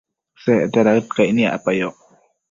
Secte daëd caic niacpayoc